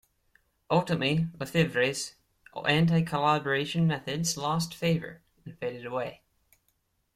Ultimately, LeFevre's anti-collaboration methods lost favor and faded away.